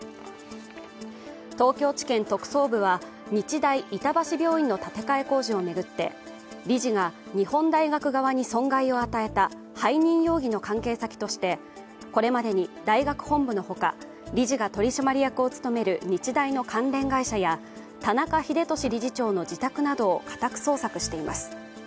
東京地検特捜部は日大板橋病院の建て替え工事を巡って、理事が日本大学側に損害を与えた背任容疑の関係先としてこれまでに大学本部のほか、理事が取締役を務める日大の関連会社や田中英寿理事長の自宅などを家宅捜索しています。